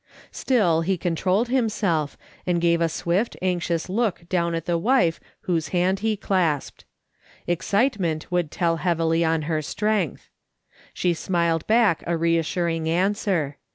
Still, he controlled himself, and gave a swift, anxious look down at the wife whose hand he clasped. Excite ment would tell heavily on her strength. She smiled back a reassuring answer.